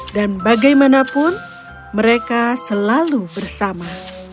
dan bagaimanapun mereka selalu bersama